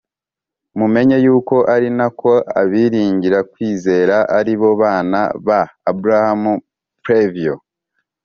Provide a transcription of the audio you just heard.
“mumenye yuko ari na ko abiringira kwizera, ari bo bana ba aburahamu” previo